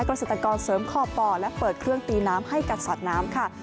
เกษตรกรเสริมคอบอและเปิดเครื่องตีน้ำให้กับสัตว์น้ำค่ะ